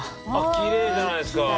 キレイじゃないですか。